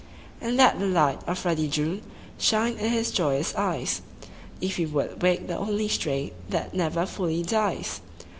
And let the light of ruddy June Shine in his joyous eyes. If he would wake the only strain That never fully dies